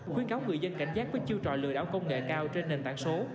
khuyến cáo người dân cảnh giác với chiêu trò lừa đảo công nghệ cao trên nền tảng số